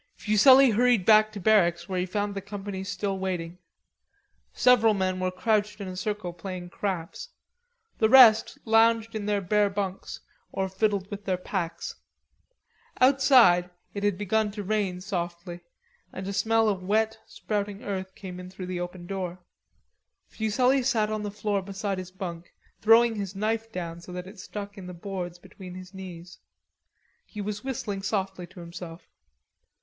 Fuselli hurried back to barracks where he found the company still waiting. Several men were crouched in a circle playing craps. The rest lounged in their bare bunks or fiddled with their packs. Outside it had begun to rain softly, and a smell of wet sprouting earth came in through the open door. Fuselli sat on the floor beside his bunk throwing his knife down so that it stuck in the boards between his knees. He was whistling softly to himself.